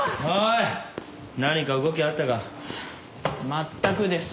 まったくです。